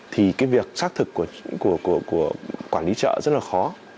thì cái việc xác thực của quản lý chợ rất là khó